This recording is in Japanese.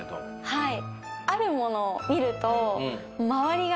はい。